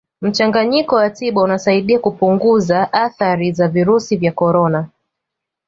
mchanganyiko wa tiba unasaidia kupunguza athari za virusi vya corona